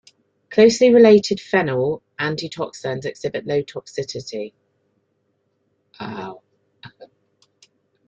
Closely related phenol antioxidants exhibit low toxicity.